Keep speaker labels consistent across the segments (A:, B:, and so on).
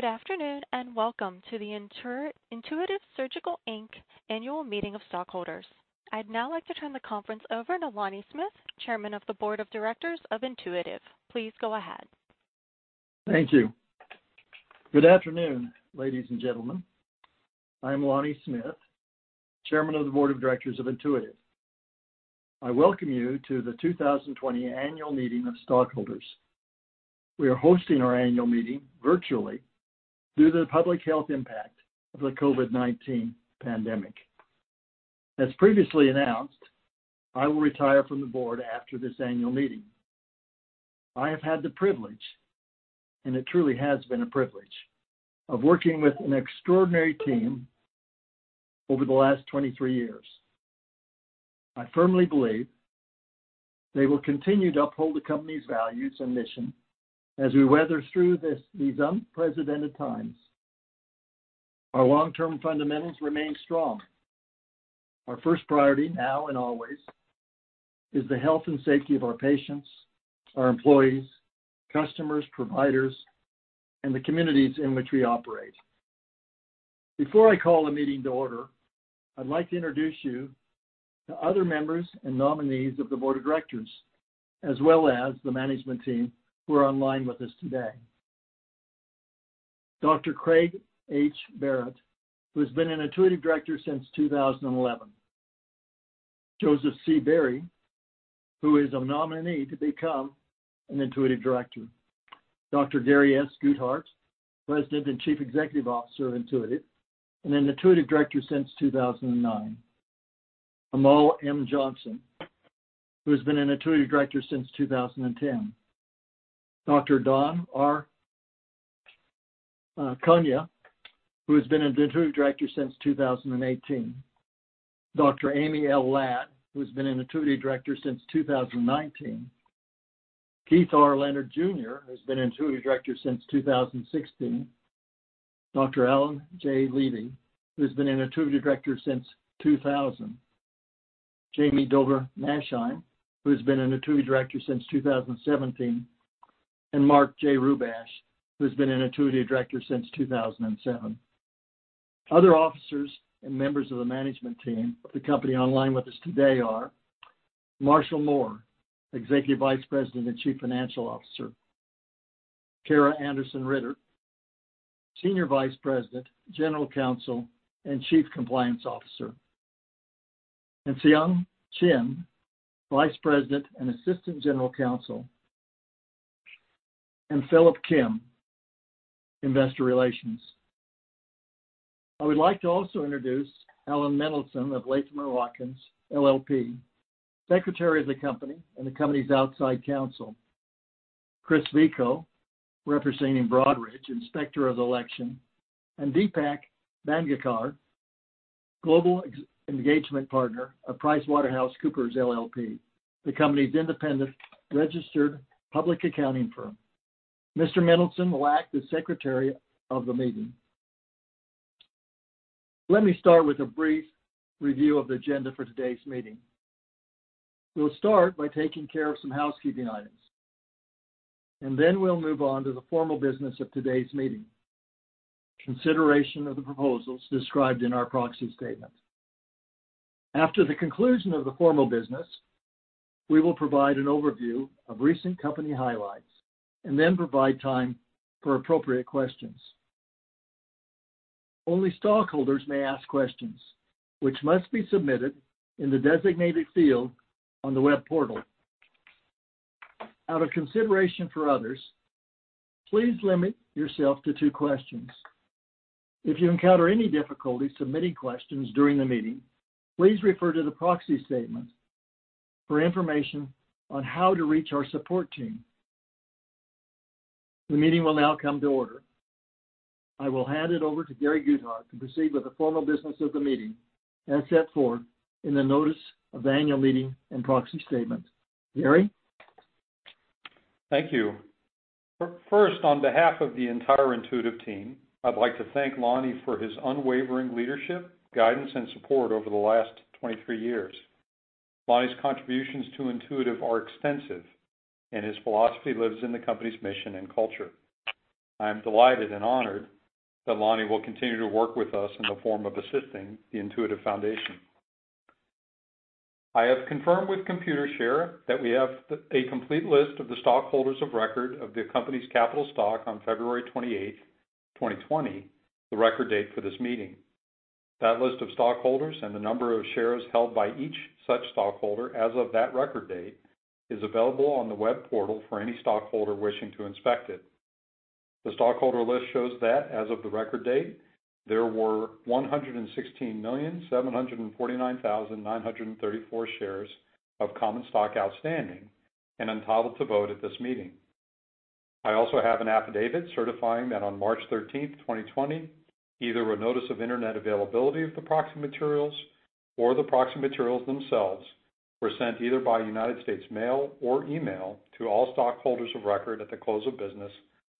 A: Good afternoon, welcome to the Intuitive Surgical, Inc. annual meeting of stockholders. I'd now like to turn the conference over to Lonnie Smith, Chairman of the Board of Directors of Intuitive. Please go ahead.
B: Thank you. Good afternoon, ladies and gentlemen. I'm Lonnie Smith, Chairman of the Board of Directors of Intuitive. I welcome you to the 2020 annual meeting of stockholders. We are hosting our annual meeting virtually due to the public health impact of the COVID-19 pandemic. As previously announced, I will retire from the board after this annual meeting. I have had the privilege, and it truly has been a privilege, of working with an extraordinary team over the last 23 years. I firmly believe they will continue to uphold the company's values and mission as we weather through these unprecedented times. Our long-term fundamentals remain strong. Our first priority, now and always, is the health and safety of our patients, our employees, customers, providers, and the communities in which we operate. Before I call the meeting to order, I'd like to introduce you to other members and nominees of the board of directors, as well as the management team who are online with us today. Dr. Craig H. Barratt, who has been an Intuitive director since 2011. Joseph C. Beery, who is a nominee to become an Intuitive director. Dr. Gary S. Guthart, President and Chief Executive Officer of Intuitive, and an Intuitive director since 2009. Amal M. Johnson, who has been an Intuitive director since 2010. Dr. Don R. Kania, who has been an Intuitive director since 2018. Dr. Amy L. Ladd, who has been an Intuitive director since 2019. Keith R. Leonard Jr. has been an Intuitive director since 2016. Dr. Alan J. Levy, who has been an Intuitive director since 2000. Jami Dover Nachtsheim, who has been an Intuitive director since 2017, and Mark J. Rubash, who has been an Intuitive director since 2007. Other officers and members of the management team of the company online with us today are Marshall Mohr, Executive Vice President and Chief Financial Officer, Kara Andersen Reiter, Senior Vice President, General Counsel, and Chief Compliance Officer, and Seong Jin, Vice President and Assistant General Counsel, and Philip Kim, Investor Relations. I would like to also introduce Alan Mendelsohn of Latham & Watkins LLP, Secretary of the company and the company's outside counsel. Chris Vico, representing Broadridge, Inspector of Election, and Deepak Mangalorkar, Global Engagement Partner of PricewaterhouseCoopers LLP, the company's independent registered public accounting firm. Mr. Mendelsohn will act as Secretary of the meeting. Let me start with a brief review of the agenda for today's meeting. We'll start by taking care of some housekeeping items, and then we'll move on to the formal business of today's meeting, consideration of the proposals described in our proxy statement. After the conclusion of the formal business, we will provide an overview of recent company highlights and then provide time for appropriate questions. Only stockholders may ask questions, which must be submitted in the designated field on the web portal. Out of consideration for others, please limit yourself to two questions. If you encounter any difficulty submitting questions during the meeting, please refer to the proxy statement for information on how to reach our support team. The meeting will now come to order. I will hand it over to Gary Guthart to proceed with the formal business of the meeting as set forth in the notice of the annual meeting and proxy statement. Gary?
C: Thank you. First, on behalf of the entire Intuitive team, I'd like to thank Lonnie for his unwavering leadership, guidance, and support over the last 23 years. Lonnie's contributions to Intuitive are extensive, and his philosophy lives in the company's mission and culture. I am delighted and honored that Lonnie will continue to work with us in the form of assisting the Intuitive Foundation. I have confirmed with Computershare that we have a complete list of the stockholders of record of the company's capital stock on February 28th, 2020, the record date for this meeting. That list of stockholders and the number of shares held by each such stockholder as of that record date is available on the web portal for any stockholder wishing to inspect it. The stockholder list shows that as of the record date, there were 116,749,934 shares of common stock outstanding and entitled to vote at this meeting. I also have an affidavit certifying that on March 13th, 2020, either a notice of internet availability of the proxy materials or the proxy materials themselves were sent either by United States mail or email to all stockholders of record at the close of business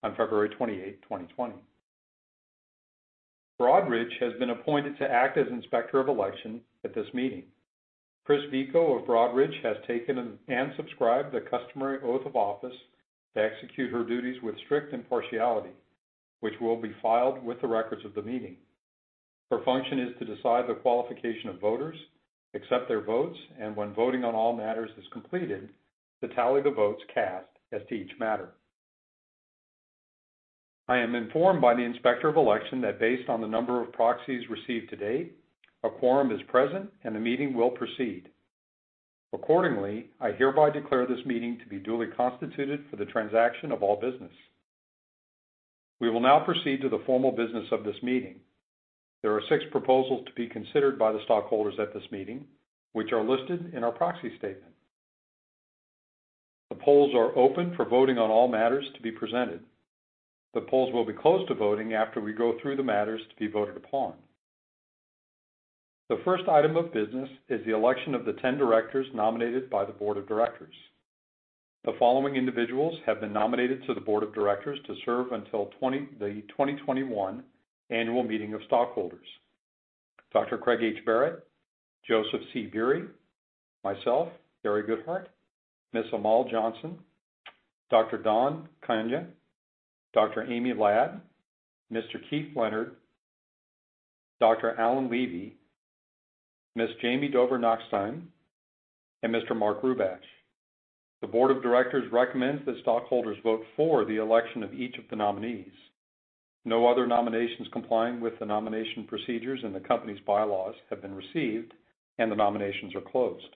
C: on February 28th, 2020. Broadridge has been appointed to act as Inspector of Election at this meeting. Chris Vico of Broadridge has taken and subscribed the customary oath of office to execute her duties with strict impartiality, which will be filed with the records of the meeting. Her function is to decide the qualification of voters, accept their votes, and when voting on all matters is completed, to tally the votes cast as to each matter. I am informed by the Inspector of Election that based on the number of proxies received to date, a quorum is present, and the meeting will proceed. Accordingly, I hereby declare this meeting to be duly constituted for the transaction of all business. We will now proceed to the formal business of this meeting. There are six proposals to be considered by the stockholders at this meeting, which are listed in our proxy statement. The polls are open for voting on all matters to be presented. The polls will be closed to voting after we go through the matters to be voted upon. The first item of business is the election of the 10 directors nominated by the board of directors. The following individuals have been nominated to the board of directors to serve until the 2021 annual meeting of stockholders. Dr. Craig H. Barratt, Joseph C. Beery, myself, Gary Guthart, Ms. Amal Johnson, Dr. Don Kania, Dr. Amy Ladd, Mr. Keith Leonard, Dr. Alan Levy, Ms. Jami Dover Nachtsheim, and Mr. Mark Rubash. The board of directors recommends that stockholders vote for the election of each of the nominees. No other nominations complying with the nomination procedures and the company's bylaws have been received, and the nominations are closed.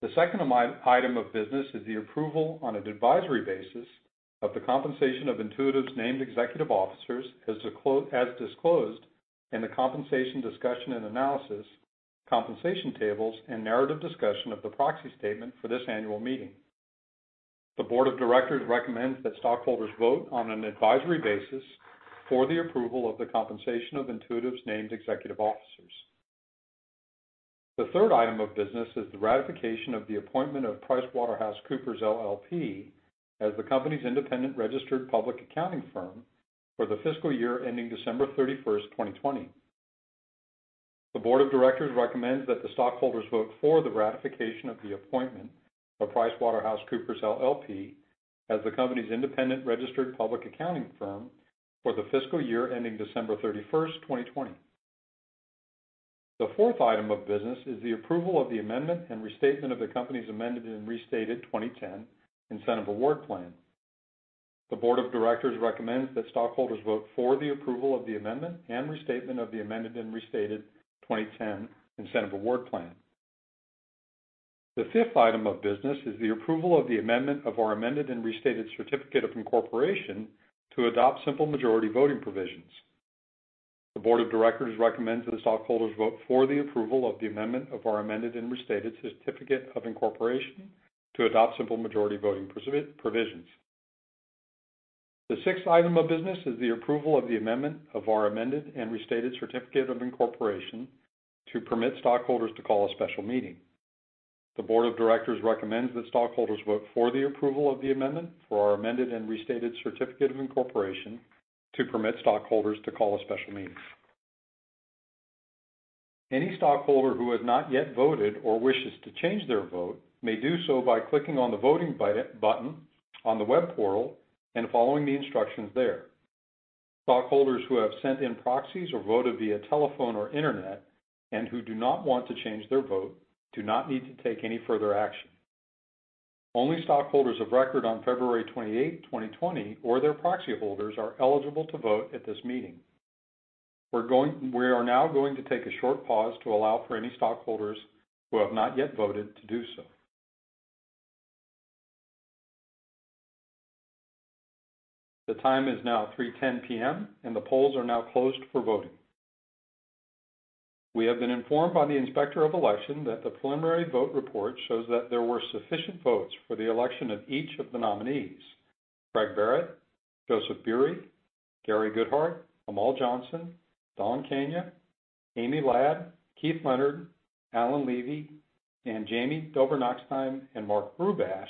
C: The second item of business is the approval on an advisory basis of the compensation of Intuitive's named executive officers, as disclosed in the compensation discussion and analysis, compensation tables, and narrative discussion of the proxy statement for this annual meeting. The board of directors recommends that stockholders vote on an advisory basis for the approval of the compensation of Intuitive's named executive officers. The third item of business is the ratification of the appointment of PricewaterhouseCoopers LLP as the company's independent registered public accounting firm for the fiscal year ending December 31st, 2020. The board of directors recommends that the stockholders vote for the ratification of the appointment of PricewaterhouseCoopers LLP as the company's independent registered public accounting firm for the fiscal year ending December 31st, 2020. The fourth item of business is the approval of the amendment and restatement of the company's Amended and Restated 2010 Incentive Award Plan. The board of directors recommends that stockholders vote for the approval of the amendment and restatement of the Amended and Restated 2010 Incentive Award Plan. The fifth item of business is the approval of the amendment of our amended and restated certificate of incorporation to adopt simple majority voting provisions. The board of directors recommends that the stockholders vote for the approval of the amendment of our Amended and Restated Certificate of Incorporation to adopt simple majority voting provisions. The sixth item of business is the approval of the amendment of our Amended and Restated Certificate of Incorporation to permit stockholders to call a special meeting. The board of directors recommends that stockholders vote for the approval of the amendment of our Amended and Restated Certificate of Incorporation to permit stockholders to call a special meeting. Any stockholder who has not yet voted or wishes to change their vote may do so by clicking on the voting button on the web portal and following the instructions there. Stockholders who have sent in proxies or voted via telephone or internet and who do not want to change their vote do not need to take any further action. Only stockholders of record on February 28, 2020, or their proxy holders are eligible to vote at this meeting. We are now going to take a short pause to allow for any stockholders who have not yet voted to do so. The time is now 3:10 P.M., and the polls are now closed for voting. We have been informed by the Inspector of Election that the preliminary vote report shows that there were sufficient votes for the election of each of the nominees, Craig Barratt, Joseph Beery, Gary Guthart, Amal Johnson, Don Kania, Amy Ladd, Keith Leonard, Alan Levy, and Jami Dover Nachtsheim, and Mark Rubash,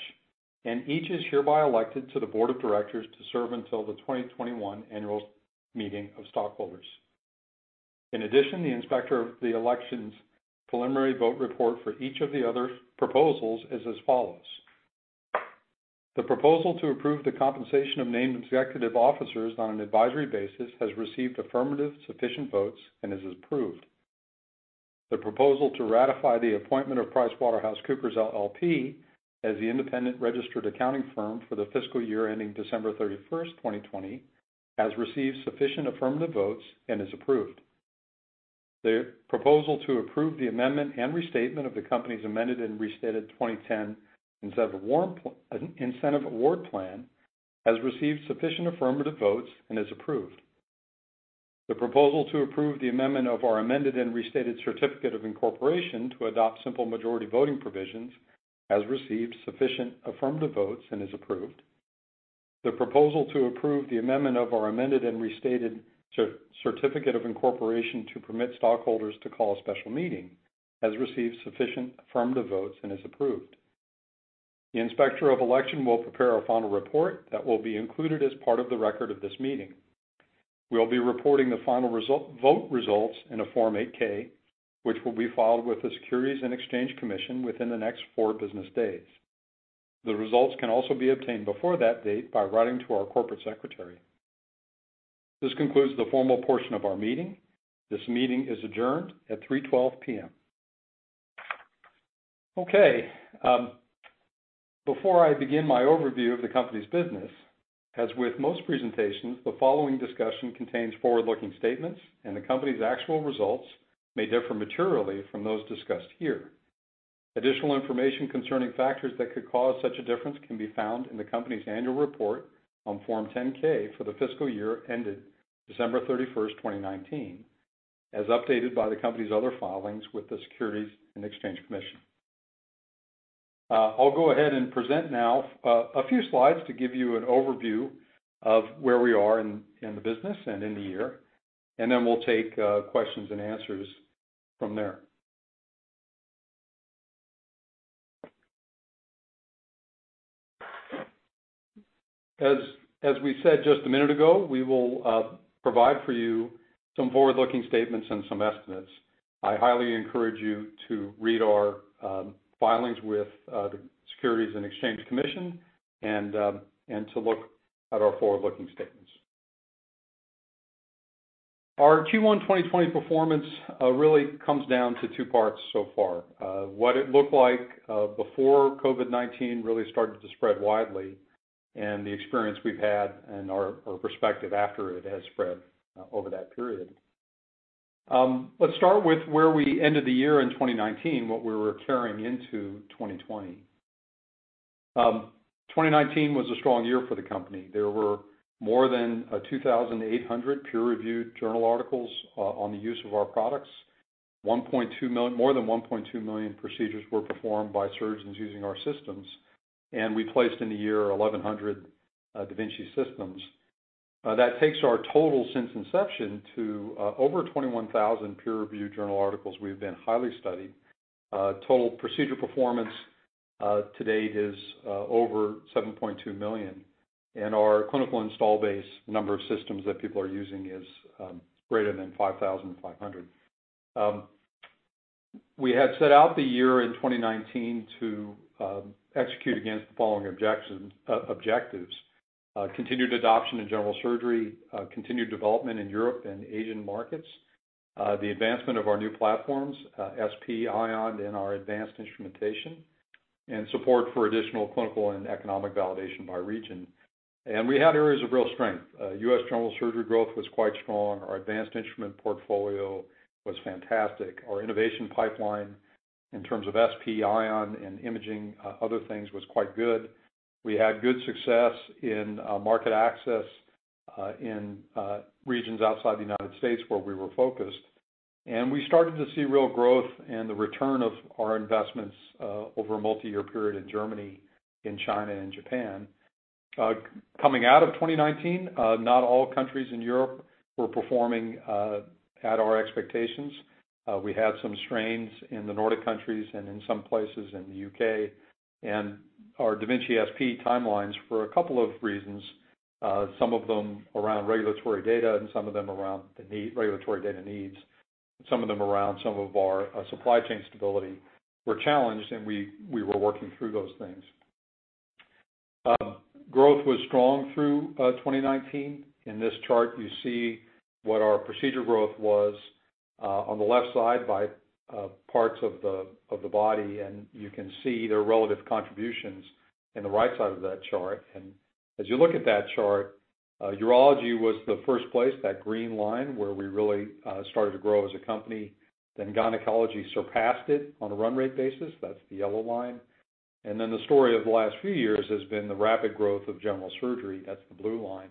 C: and each is hereby elected to the board of directors to serve until the 2021 annual meeting of stockholders. In addition, the Inspector of Election's preliminary vote report for each of the other proposals is as follows. The proposal to approve the compensation of named executive officers on an advisory basis has received affirmative sufficient votes and is approved. The proposal to ratify the appointment of PricewaterhouseCoopers LLP as the independent registered accounting firm for the fiscal year ending December 31st, 2020, has received sufficient affirmative votes and is approved. The proposal to approve the amendment and restatement of the company's Amended and Restated 2010 Incentive Award Plan has received sufficient affirmative votes and is approved. The proposal to approve the amendment of our amended and restated certificate of incorporation to adopt simple majority voting provisions has received sufficient affirmative votes and is approved. The proposal to approve the amendment of our amended and restated certificate of incorporation to permit stockholders to call a special meeting has received sufficient affirmative votes and is approved. The Inspector of Election will prepare a final report that will be included as part of the record of this meeting. We'll be reporting the final vote results in a Form 8-K, which will be filed with the Securities and Exchange Commission within the next four business days. The results can also be obtained before that date by writing to our corporate secretary. This concludes the formal portion of our meeting. This meeting is adjourned at 3:12 P.M. Okay. Before I begin my overview of the company's business, as with most presentations, the following discussion contains forward-looking statements, and the company's actual results may differ materially from those discussed here. Additional information concerning factors that could cause such a difference can be found in the company's annual report on Form 10-K for the fiscal year ended December 31st, 2019, as updated by the company's other filings with the Securities and Exchange Commission. I'll go ahead and present now a few slides to give you an overview of where we are in the business and in the year, and then we'll take questions and answers from there. As we said just a minute ago, we will provide for you some forward-looking statements and some estimates. I highly encourage you to read our filings with the Securities and Exchange Commission and to look at our forward-looking statements. Our Q1 2020 performance really comes down to two parts so far. What it looked like before COVID-19 really started to spread widely, and the experience we've had and our perspective after it has spread over that period. Let's start with where we ended the year in 2019, what we were carrying into 2020. 2019 was a strong year for the company. There were more than 2,800 peer-reviewed journal articles on the use of our products. More than 1.2 million procedures were performed by surgeons using our systems, and we placed in the year 1,100 da Vinci systems. That takes our total since inception to over 21,000 peer-reviewed journal articles. We've been highly studied. Total procedure performance to date is over 7.2 million, and our clinical install base number of systems that people are using is greater than 5,500. We had set out the year in 2019 to execute against the following objectives. Continued adoption in general surgery, continued development in Europe and Asian markets, the advancement of our new platforms, SP, Ion, and our advanced instrumentation, support for additional clinical and economic validation by region. We had areas of real strength. U.S. general surgery growth was quite strong. Our advanced instrument portfolio was fantastic. Our innovation pipeline in terms of SP, Ion and imaging other things, was quite good. We had good success in market access in regions outside the United States where we were focused, and we started to see real growth and the return of our investments over a multi-year period in Germany, in China, and Japan. Coming out of 2019, not all countries in Europe were performing at our expectations. We had some strains in the Nordic countries and in some places in the U.K. Our da Vinci SP timelines for a couple of reasons, some of them around regulatory data and some of them around the regulatory data needs, some of them around some of our supply chain stability, were challenged, and we were working through those things. Growth was strong through 2019. In this chart, you see what our procedure growth was on the left side by parts of the body, and you can see their relative contributions in the right side of that chart. As you look at that chart, urology was the first place, that green line, where we really started to grow as a company. Gynecology surpassed it on a run rate basis. That's the yellow line. The story of the last few years has been the rapid growth of general surgery. That's the blue line.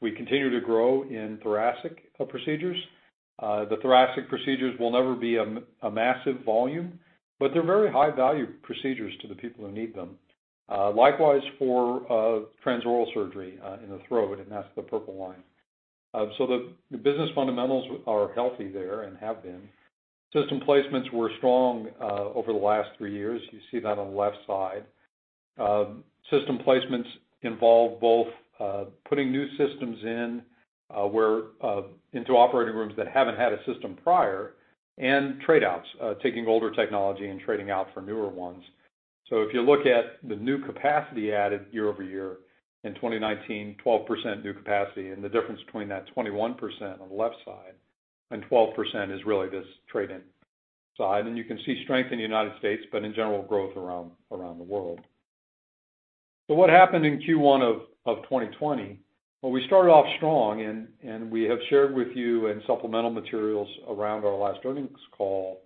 C: We continue to grow in thoracic procedures. The thoracic procedures will never be a massive volume, but they're very high-value procedures to the people who need them. Likewise for transoral surgery in the throat, that's the purple line. The business fundamentals are healthy there and have been. System placements were strong over the last three years. You see that on the left side. System placements involve both putting new systems in, into operating rooms that haven't had a system prior, and trade-outs, taking older technology and trading out for newer ones. If you look at the new capacity added year-over-year, in 2019, 12% new capacity. The difference between that 21% on the left side and 12% is really this trade-in side. You can see strength in the U.S., but in general, growth around the world. What happened in Q1 of 2020? Well, we started off strong, and we have shared with you in supplemental materials around our last earnings call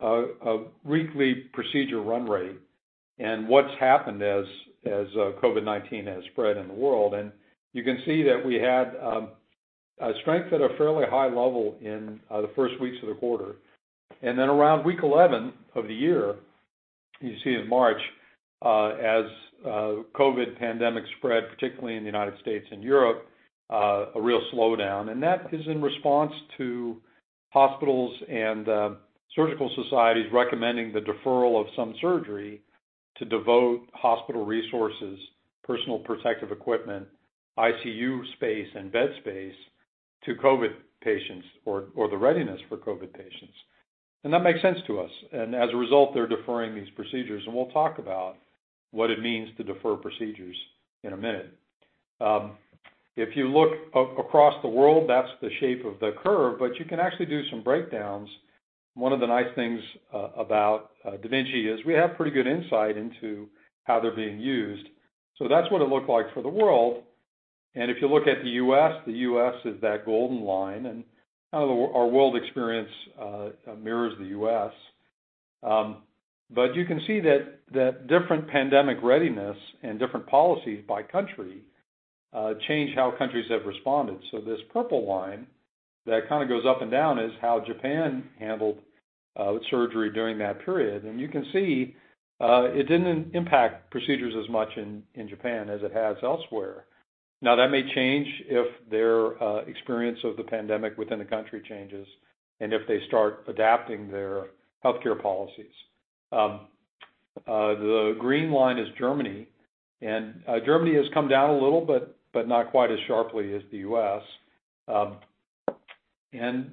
C: a weekly procedure run rate and what's happened as COVID-19 has spread in the world. You can see that we had strength at a fairly high level in the first weeks of the quarter. Around week 11 of the year, you see in March, as COVID pandemic spread, particularly in the United States and Europe a real slowdown. That is in response to hospitals and surgical societies recommending the deferral of some surgery to devote hospital resources, personal protective equipment, ICU space, and bed space to COVID patients, or the readiness for COVID patients. That makes sense to us. As a result, they're deferring these procedures, and we'll talk about what it means to defer procedures in a minute. If you look across the world, that's the shape of the curve, but you can actually do some breakdowns. One of the nice things about da Vinci is we have pretty good insight into how they're being used. That's what it looked like for the world. If you look at the U.S., the U.S. is that golden line, and our world experience mirrors the U.S. You can see that different pandemic readiness and different policies by country change how countries have responded. This purple line that kind of goes up and down is how Japan handled surgery during that period. You can see it didn't impact procedures as much in Japan as it has elsewhere. Now, that may change if their experience of the pandemic within the country changes, and if they start adapting their healthcare policies. The green line is Germany. Germany has come down a little, but not quite as sharply as the U.S.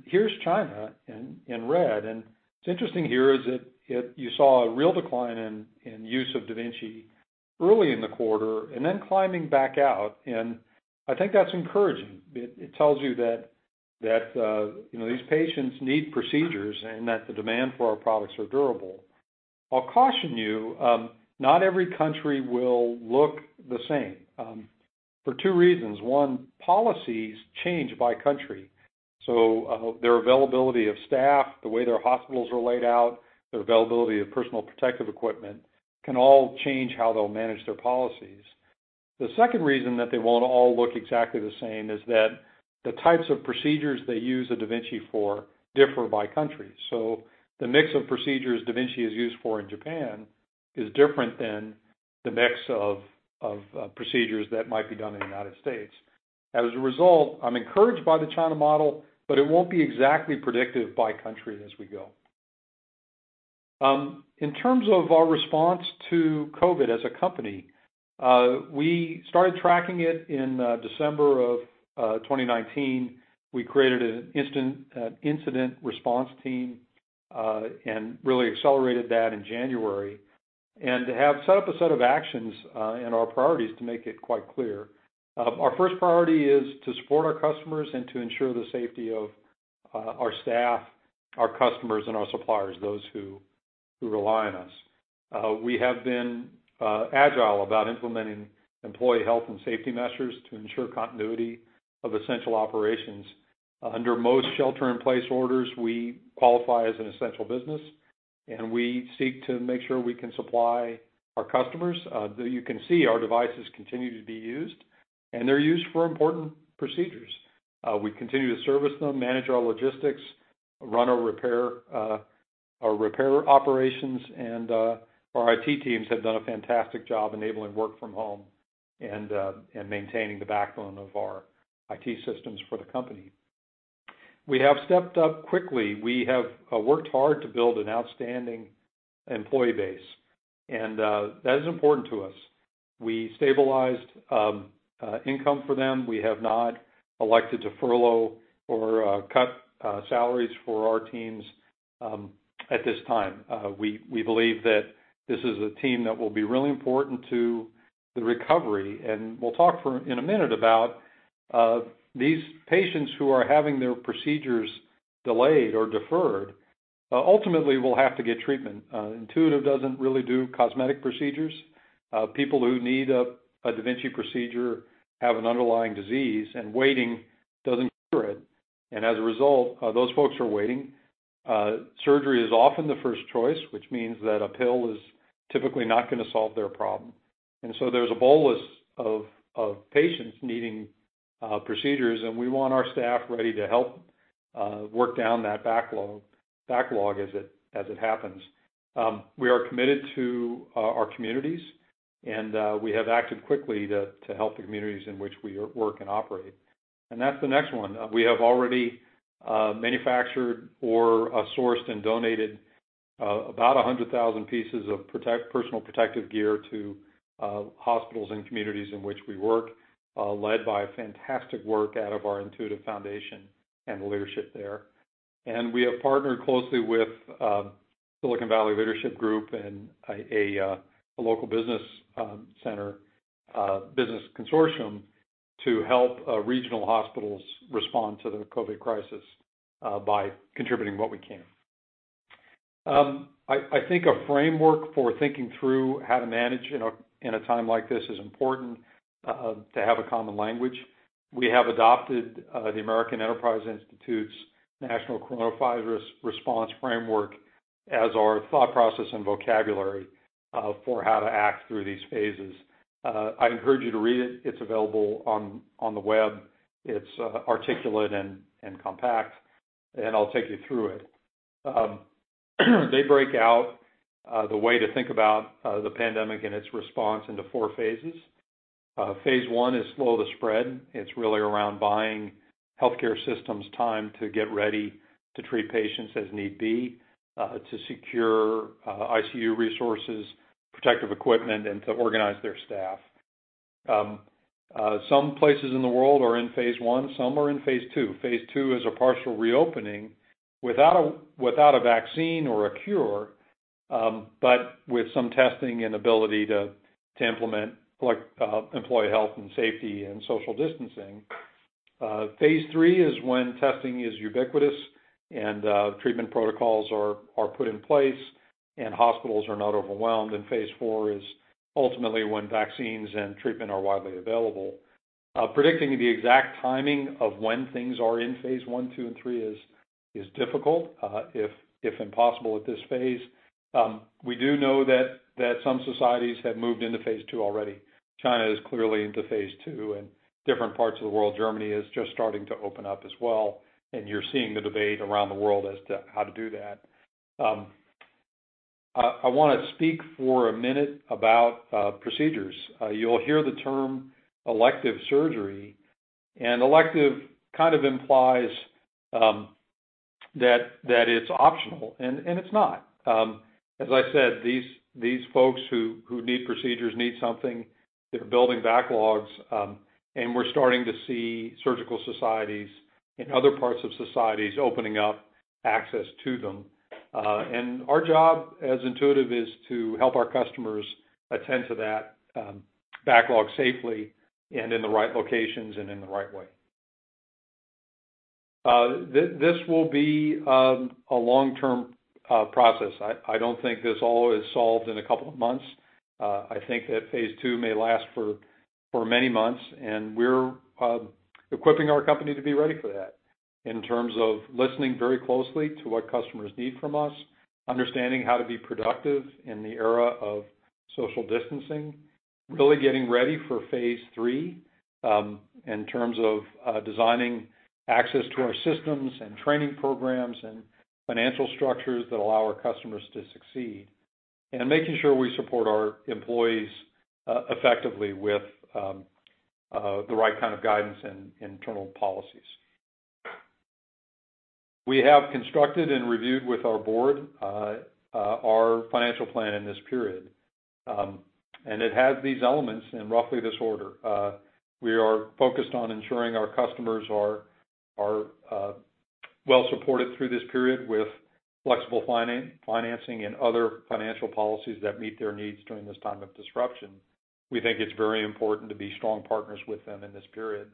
C: Here's China in red. What's interesting here is that you saw a real decline in use of da Vinci early in the quarter, and then climbing back out, and I think that's encouraging. It tells you that these patients need procedures, and that the demand for our products are durable. I'll caution you, not every country will look the same. For two reasons. One, policies change by country. Their availability of staff, the way their hospitals are laid out, their availability of personal protective equipment, can all change how they'll manage their policies. The second reason that they won't all look exactly the same is that the types of procedures they use a da Vinci for differ by country. The mix of procedures da Vinci is used for in Japan is different than the mix of procedures that might be done in the United States. As a result, I'm encouraged by the China model, but it won't be exactly predictive by country as we go. In terms of our response to COVID as a company, we started tracking it in December of 2019. We created an incident response team, and really accelerated that in January, and have set up a set of actions and our priorities to make it quite clear. Our first priority is to support our customers and to ensure the safety of our staff, our customers, and our suppliers, those who rely on us. We have been agile about implementing employee health and safety measures to ensure continuity of essential operations. Under most shelter-in-place orders, we qualify as an essential business, and we seek to make sure we can supply our customers. You can see our devices continue to be used, and they're used for important procedures. We continue to service them, manage our logistics, run our repair operations, and our IT teams have done a fantastic job enabling work from home and maintaining the backbone of our IT systems for the company. We have stepped up quickly. We have worked hard to build an outstanding employee base, and that is important to us. We stabilized income for them. We have not elected to furlough or cut salaries for our teams at this time. We believe that this is a team that will be really important to the recovery. We'll talk in a minute about these patients who are having their procedures delayed or deferred, ultimately will have to get treatment. Intuitive doesn't really do cosmetic procedures. People who need a da Vinci procedure have an underlying disease, and waiting doesn't cure it. As a result, those folks are waiting. Surgery is often the first choice, which means that a pill is typically not going to solve their problem. There's a bolus of patients needing procedures, and we want our staff ready to help work down that backlog as it happens. We are committed to our communities, and we have acted quickly to help the communities in which we work and operate. That's the next one. We have already manufactured or sourced and donated about 100,000 pieces of personal protective gear to hospitals and communities in which we work, led by fantastic work out of our Intuitive Foundation and the leadership there. We have partnered closely with Silicon Valley Leadership Group and a local business consortium to help regional hospitals respond to the COVID crisis by contributing what we can. I think a framework for thinking through how to manage in a time like this is important, to have a common language. We have adopted the American Enterprise Institute's National Coronavirus Response Framework as our thought process and vocabulary for how to act through these phases. I encourage you to read it. It's available on the web. It's articulate and compact. I'll take you through it. The way to think about the pandemic and its response into four phases. Phase one is slow the spread. It's really around buying healthcare systems time to get ready to treat patients as need be, to secure ICU resources, protective equipment, and to organize their staff. Some places in the world are in phase one, some are in phase two. Phase two is a partial reopening without a vaccine or a cure, but with some testing and ability to implement employee health and safety and social distancing. Phase three is when testing is ubiquitous and treatment protocols are put in place, and hospitals are not overwhelmed. Phase four is ultimately when vaccines and treatment are widely available. Predicting the exact timing of when things are in phase one, two, and three is difficult, if impossible at this phase. We do know that some societies have moved into phase two already. China is clearly into phase two. Different parts of the world, Germany is just starting to open up as well, and you're seeing the debate around the world as to how to do that. I want to speak for a minute about procedures. You'll hear the term elective surgery, and elective kind of implies that it's optional, and it's not. As I said, these folks who need procedures need something. They're building backlogs, and we're starting to see surgical societies and other parts of societies opening up access to them. Our job as Intuitive is to help our customers attend to that backlog safely and in the right locations and in the right way. This will be a long-term process. I don't think this all is solved in a couple of months. I think that phase two may last for many months, and we're equipping our company to be ready for that in terms of listening very closely to what customers need from us, understanding how to be productive in the era of social distancing, really getting ready for phase three, in terms of designing access to our systems and training programs and financial structures that allow our customers to succeed, and making sure we support our employees effectively with the right kind of guidance and internal policies. We have constructed and reviewed with our board our financial plan in this period, and it has these elements in roughly this order. We are focused on ensuring our customers are well supported through this period with flexible financing and other financial policies that meet their needs during this time of disruption. We think it's very important to be strong partners with them in this period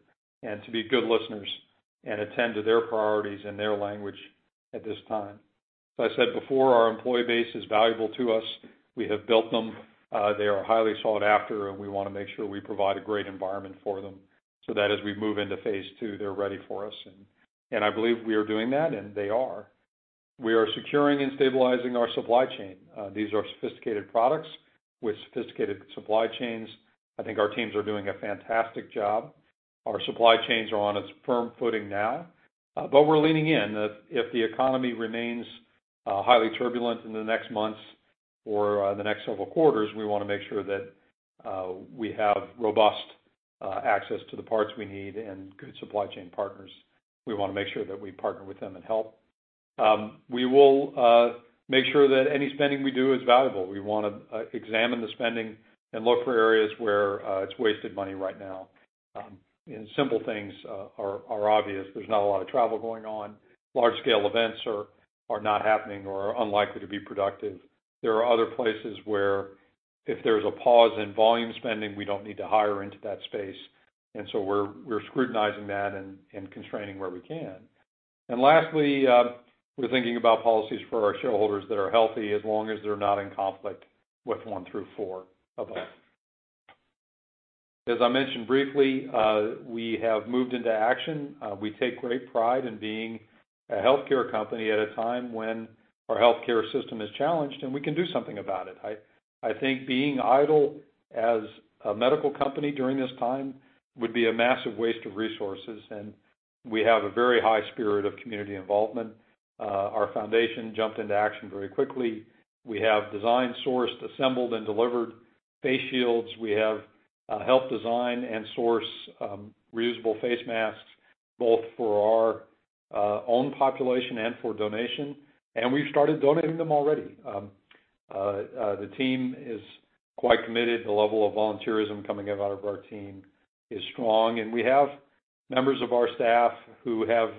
C: and to be good listeners and attend to their priorities and their language at this time. As I said before, our employee base is valuable to us. We have built them. They are highly sought after, and we want to make sure we provide a great environment for them so that as we move into phase two, they're ready for us. I believe we are doing that, and they are. We are securing and stabilizing our supply chain. These are sophisticated products with sophisticated supply chains. I think our teams are doing a fantastic job. Our supply chains are on its firm footing now, but we're leaning in, that if the economy remains highly turbulent in the next months or the next several quarters, we want to make sure that we have robust access to the parts we need and good supply chain partners. We want to make sure that we partner with them and help. We will make sure that any spending we do is valuable. We want to examine the spending and look for areas where it's wasted money right now. Simple things are obvious. There's not a lot of travel going on. Large-scale events are not happening or are unlikely to be productive. There are other places where if there's a pause in volume spending, we don't need to hire into that space. We're scrutinizing that and constraining where we can. Lastly, we're thinking about policies for our shareholders that are healthy as long as they're not in conflict with one through four above. As I mentioned briefly, we have moved into action. We take great pride in being a healthcare company at a time when our healthcare system is challenged, and we can do something about it. I think being idle as a medical company during this time would be a massive waste of resources, and we have a very high spirit of community involvement. Our foundation jumped into action very quickly. We have designed, sourced, assembled, and delivered face shields. We have helped design and source reusable face masks, both for our own population and for donation, and we've started donating them already. The team is quite committed. The level of volunteerism coming out of our team is strong, and we have members of our staff who have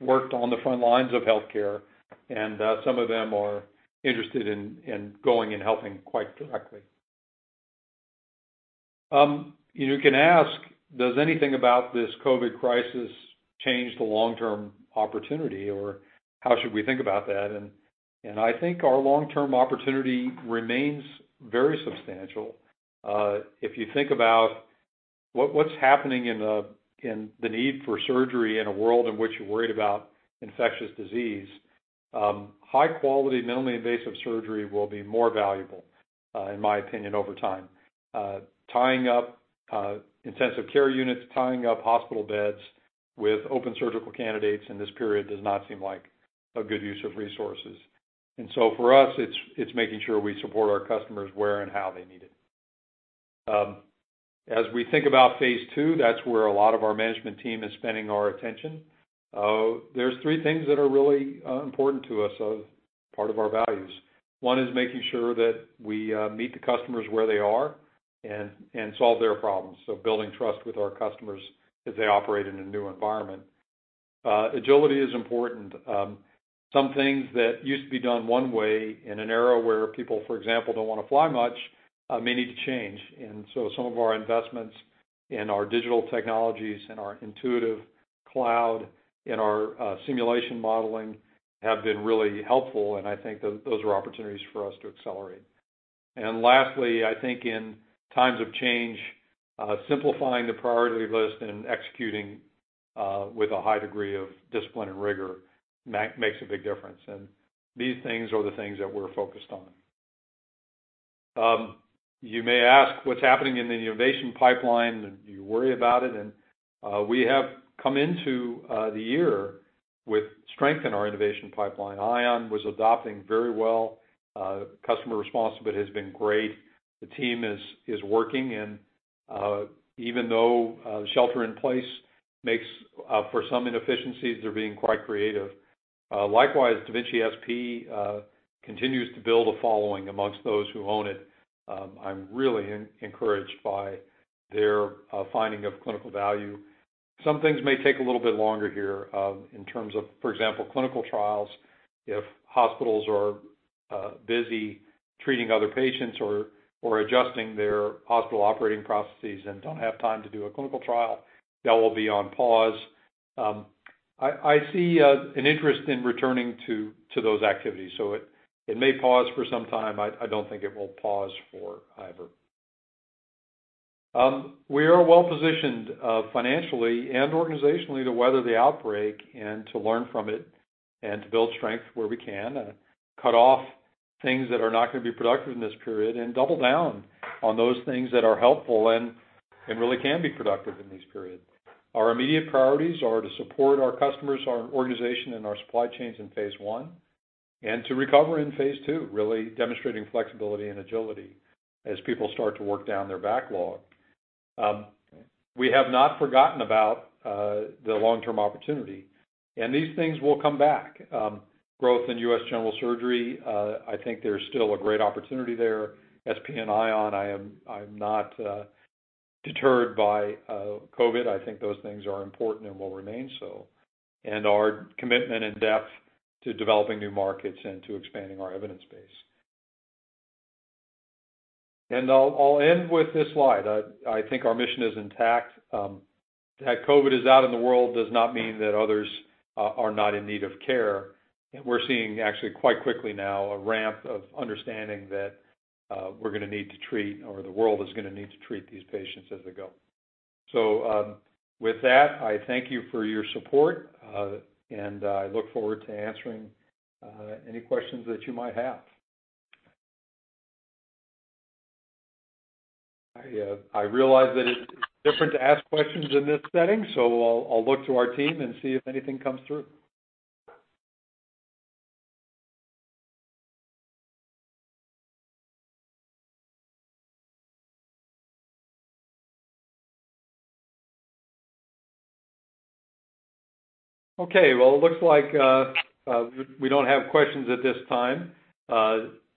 C: worked on the front lines of healthcare, and some of them are interested in going and helping quite directly. You can ask, does anything about this COVID crisis change the long-term opportunity, or how should we think about that? I think our long-term opportunity remains very substantial. If you think about what's happening in the need for surgery in a world in which you're worried about infectious disease, high-quality, minimally invasive surgery will be more valuable. In my opinion over time. Tying up intensive care units, tying up hospital beds with open surgical candidates in this period does not seem like a good use of resources. For us, it's making sure we support our customers where and how they need it. As we think about phase two, that's where a lot of our management team is spending our attention. There's three things that are really important to us as part of our values. One is making sure that we meet the customers where they are and solve their problems. Building trust with our customers as they operate in a new environment. Agility is important. Some things that used to be done one way in an era where people, for example, don't want to fly much, may need to change. Some of our investments in our digital technologies, in our Intuitive Hub, in our simulation modeling, have been really helpful, and I think those are opportunities for us to accelerate. Lastly, I think in times of change, simplifying the priority list and executing with a high degree of discipline and rigor makes a big difference. These things are the things that we're focused on. You may ask what's happening in the innovation pipeline, and you worry about it. We have come into the year with strength in our innovation pipeline. Ion was adopting very well. Customer response to it has been great. The team is working, and even though shelter in place makes for some inefficiencies, they're being quite creative. Likewise, da Vinci SP continues to build a following amongst those who own it. I'm really encouraged by their finding of clinical value. Some things may take a little bit longer here, in terms of, for example, clinical trials. If hospitals are busy treating other patients or adjusting their hospital operating processes and don't have time to do a clinical trial, that will be on pause. I see an interest in returning to those activities. It may pause for some time. I don't think it will pause forever. We are well positioned financially and organizationally to weather the outbreak and to learn from it, and to build strength where we can, cut off things that are not going to be productive in this period, and double down on those things that are helpful and really can be productive in this period. Our immediate priorities are to support our customers, our organization, and our supply chains in phase one, and to recover in phase two, really demonstrating flexibility and agility as people start to work down their backlog. We have not forgotten about the long-term opportunity, and these things will come back. Growth in U.S. general surgery, I think there's still a great opportunity there. SP and Ion, I am not deterred by COVID. I think those things are important and will remain so. Our commitment and depth to developing new markets and to expanding our evidence base. I'll end with this slide. I think our mission is intact. That COVID is out in the world does not mean that others are not in need of care. We're seeing actually quite quickly now a ramp of understanding that we're going to need to treat, or the world is going to need to treat these patients as they go. With that, I thank you for your support, and I look forward to answering any questions that you might have. I realize that it's different to ask questions in this setting, so I'll look to our team and see if anything comes through. Well it looks like we don't have questions at this time.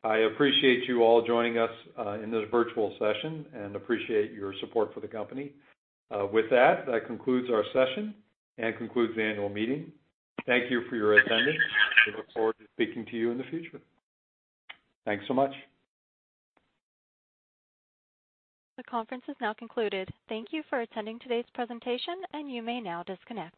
C: I appreciate you all joining us in this virtual session and appreciate your support for the company. With that concludes our session and concludes the annual meeting. Thank you for your attendance. We look forward to speaking to you in the future. Thanks so much.
A: The conference is now concluded. Thank you for attending today's presentation. You may now disconnect.